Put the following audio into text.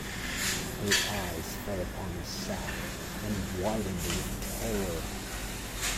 Her eyes fell upon the sack and widened with terror.